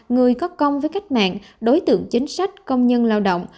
người có công với cách mạng đối tượng chính sách công nhân lao động